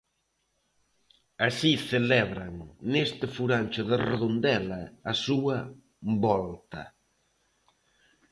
Así celebran neste furancho de Redondela a súa volta.